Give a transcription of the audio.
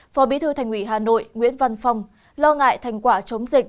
phó bí thư thành ủy hà nội nguyễn văn phong lo ngại thành quả chống dịch